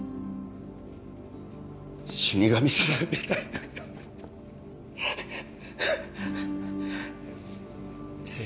死神様みたいなんだ